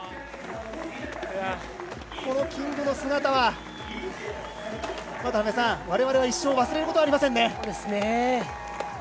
このキングの姿は渡辺さん、我々は一生忘れることはありませんね。